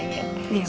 terima kasih sayang